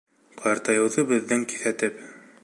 Ҡартайыуҙы беҙҙең киҫәтеп.